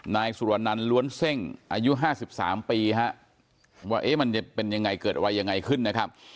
นายสุรนันร้วนเซ่งอายุห้าสิบสามปีฮะว่าเอ๊ะมันจะเป็นยังไงเกิดว่ายังไงขึ้นนะครับ